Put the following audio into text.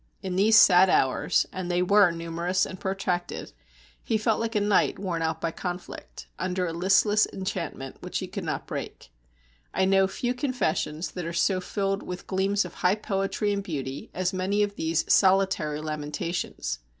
In these sad hours and they were numerous and protracted he felt like a knight worn out by conflict, under a listless enchantment which he could not break. I know few confessions that are so filled with gleams of high poetry and beauty as many of these solitary lamentations.